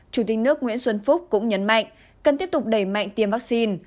chủ tịch nước nguyễn xuân phúc cũng nhấn mạnh cần tiếp tục đẩy mạnh tiêm vaccine